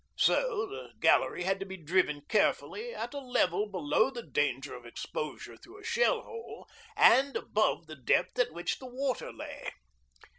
So the gallery had to be driven carefully at a level below the danger of exposure through a shell hole and above the depth at which the water lay.